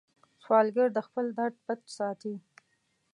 سوالګر د خپل درد پټ ساتي